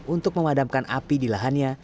untuk memadamkan api di lahannya